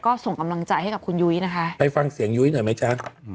ก็ส่งกำลังใจให้กับคุณยุ้ยนะคะไปฟังเสียงยุ้ยหน่อยไหมจ๊ะ